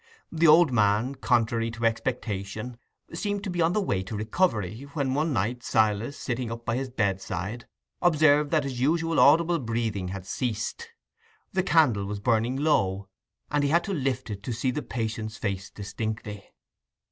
The old man, contrary to expectation, seemed to be on the way to recovery, when one night Silas, sitting up by his bedside, observed that his usual audible breathing had ceased. The candle was burning low, and he had to lift it to see the patient's face distinctly.